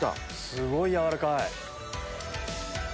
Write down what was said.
すごい軟らかい！